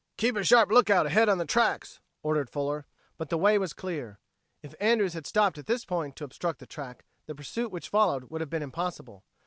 "Keep a sharp lookout ahead on the tracks," ordered Fuller. But the way was clear. If Andrews had stopped at this point to obstruct the track, the pursuit which followed would have been impossible.